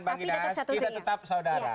bang gidas kita tetap saudara